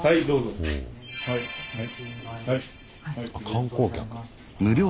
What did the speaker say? ・観光客。へ！